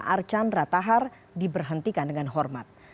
archan ratahar diberhentikan dengan hormat